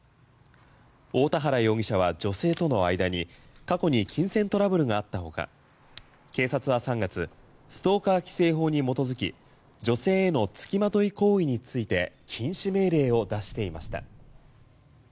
大田原容疑者は女性との間に過去に金銭トラブルがあったほか警察は３月ストーカー規制法に基づき女性への付きまとい行為について禁止命令を出していました。